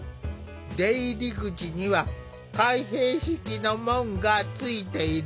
出入り口には開閉式の門がついている。